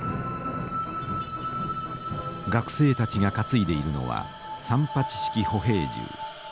学生たちが担いでいるのは三八式歩兵銃。